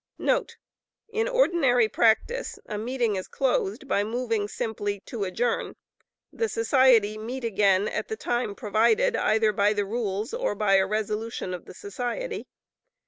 * [In ordinary practice, a meeting is closed by moving simply "to adjourn;" the society meet again at the time provided either by their rules or by a resolution of the society.